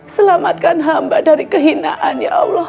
selamatkan hamba dari kehinaan ya allah